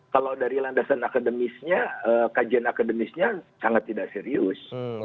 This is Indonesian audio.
kalau dari landasan akademisnya kajian akademisnya sangat tidak serius